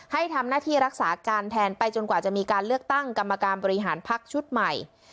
ให้ทำหน้าที่รักษาการแทนไปจนกว่าจะมีการเลือกตั้งกรรมการบริหารพักชุดใหม่